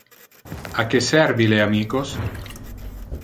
A que servi le amicos?